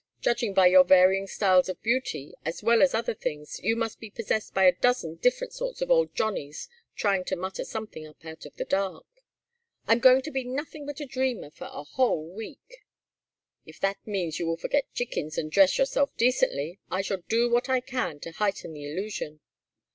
"Judging by your varying styles of beauty as well as other things, you must be possessed by a dozen different sorts of old Johnnies trying to mutter something up out of the dark." "I'm going to be nothing but a dreamer for a whole week." "If that means that you will forget chickens, and dress yourself decently, I shall do what I can to heighten the illusion.